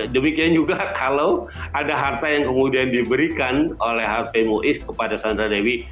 demikian juga kalau ada harta yang kemudian diberikan oleh hp muiz kepada sandra dewi